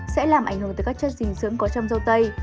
sẽ làm ảnh hưởng tới các chất dinh dưỡng có trong dâu tây